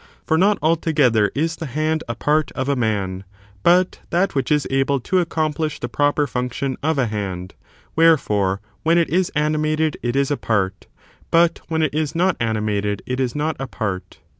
For not altogether is the hand a part of a man, but that which is able to accom phsh the proper function of a hand ; wherefore, when it is animated it is a part, but when it is not animated it is not a part.